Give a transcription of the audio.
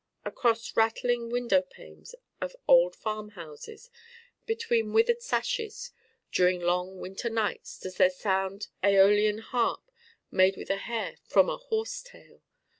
Across rattling window panes of old farm houses between withered sashes during long winter nights does there sound the æolian harp made with a hair from a horse tail?